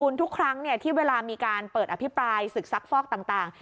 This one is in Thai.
คุณทุกครั้งที่เวลามีการเปิดอภิปรายศึกซักฟอกต่าง